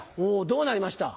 どうなりました？